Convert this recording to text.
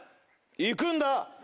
行くんだ。